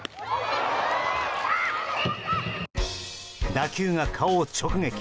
打球が顔を直撃。